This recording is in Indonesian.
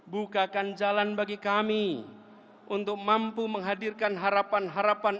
bukakan jalan bagi kami untuk mampu menghadirkan harapan harapan